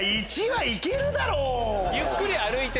１は行けるだろ！